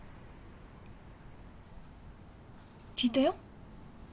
聞いたよ。